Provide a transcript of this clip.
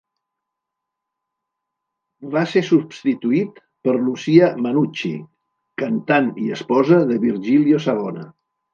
Va ser substituït per Lucia Mannucci, cantant i esposa de Virgilio Savona.